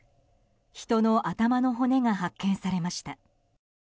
人の頭の骨が発見されました。